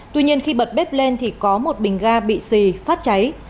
tuy nhiên khi bật bếp lên thì có một bình ga bị xì phát cháy